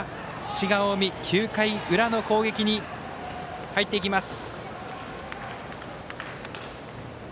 滋賀・近江、９回裏の攻撃に入っていきます。